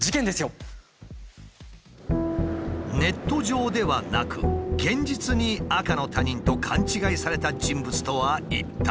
ネット上ではなく現実に赤の他人と勘違いされた人物とは一体？